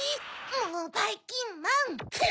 もうばいきんまん！